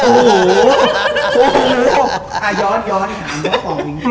แต่พอนี้มันแบบ